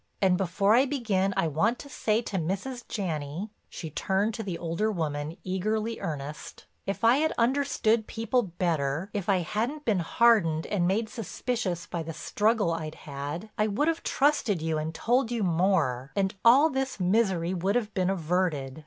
And before I begin, I want to say to Mrs. Janney," she turned to the older woman eagerly earnest, "if I had understood people better, if I hadn't been hardened and made suspicious by the struggle I'd had, I would have trusted you and told you more, and all this misery would have been averted.